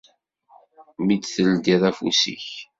Mi d-teldiḍ afus-ik.